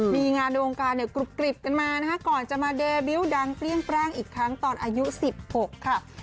มีงานโดงการกรุบกรีบกันมาก่อนจะมาเดบิวท์ดังเปลี่ยงแปลงอีกครั้งตอนอายุ๑๖ครับ